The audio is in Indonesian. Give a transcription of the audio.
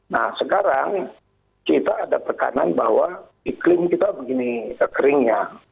nah sekarang kita ada tekanan bahwa iklim kita begini kering ya